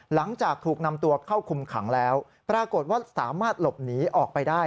หลังจากถูกนำตัวเข้าคุมขังแล้วปรากฏว่าสามารถหลบหนีออกไปได้